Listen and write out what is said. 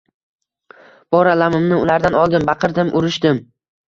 Bor alamimni ulardan oldim, baqirdim, urishdim